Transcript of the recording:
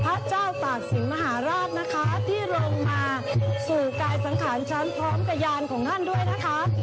พระเจ้าตากศิลปมหาราชนะคะที่ลงมาสู่กายสังขารฉันพร้อมกระยานของท่านด้วยนะคะ